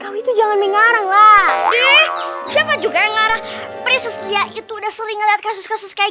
kau itu jangan mengarang lah siapa juga yang ngarah priscila itu udah sering lihat kasus kasus kayak